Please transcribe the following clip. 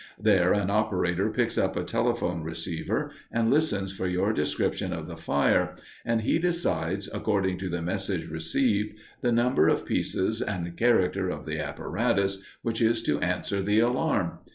There an operator picks up a telephone receiver and listens for your description of the fire, and he decides, according to the message received, the number of pieces and character of the apparatus which is to answer the alarm.